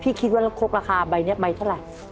พี่คิดว่าครบราคาใบนี้ใบเท่าไร